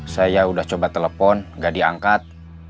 saya udah coba telepon gak diangkat